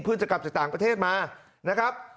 เพื่อจะกลับจากต่างประเทศมานะครับ